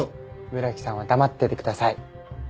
村木さんは黙っててください。